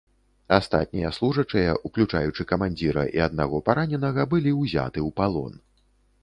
Астатнія служачыя, уключаючы камандзіра і аднаго параненага, былі ўзяты ў палон.